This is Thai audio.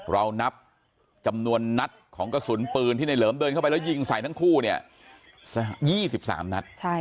เรานับจำนวนนัดของกระสุนปืนที่ในเหลิมเดินเข้าไปแล้วยิงใส่ทั้งคู่เนี่ย๒๓นัด